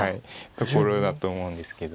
ところだと思うんですけど。